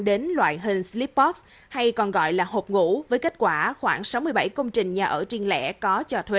đến loại hình slippost hay còn gọi là hộp ngủ với kết quả khoảng sáu mươi bảy công trình nhà ở riêng lẻ có cho thuê